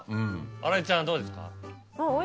新井ちゃんはどうですか？